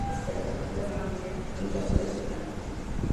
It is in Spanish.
Murió durante la Segunda Guerra Mundial en su casa en Vietnam.